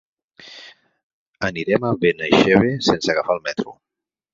Anirem a Benaixeve sense agafar el metro.